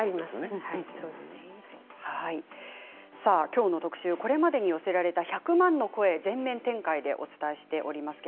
きょうの特集、これまでに寄せられた１００万の声全面展開でお伝えしております。